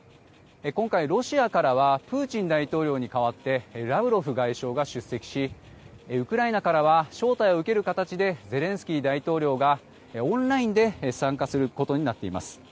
今回、ロシアからはプーチン大統領に代わってラブロフ外相が出席しウクライナからは招待を受ける形でゼレンスキー大統領がオンラインで参加することになっています。